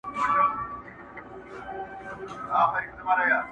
پر ښاخلو د ارغوان به، ګلان وي، او زه به نه یم.!